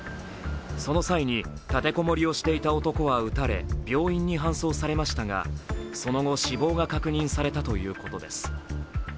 その際に立てこもりをしていた男は撃たれ病院に搬送されましたがその後、死亡が確認されたということです。